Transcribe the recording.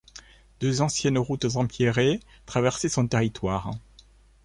Deux anciennes routes empierrées traversaient son territoire.